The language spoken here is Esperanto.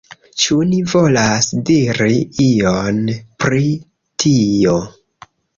Ĉu ni volas diri ion pri tio?